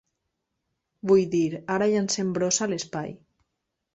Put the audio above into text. Vull dir, ara llancem brossa a l'espai.